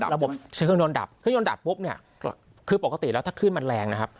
ระบบใช้เครื่องยนต์ดับเครื่องยนต์ดับปุ๊บเนี่ยคือปกติแล้วถ้าขึ้นมันแรงนะครับ